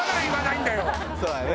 そうだね。